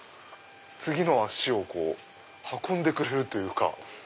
次の脚を運んでくれるというか。